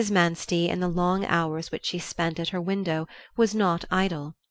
Manstey, in the long hours which she spent at her window, was not idle.